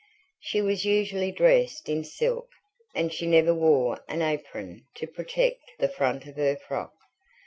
She was usually dressed in silk, and she never wore an apron to protect the front of her frock.